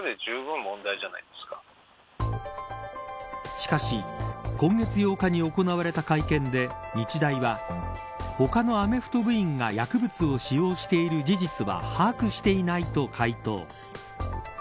しかし今月８日に行われた会見で日大は、他のアメフト部員が薬物を使用している事実は把握していないと回答。